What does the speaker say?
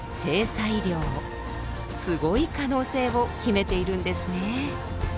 すごい可能性を秘めているんですね。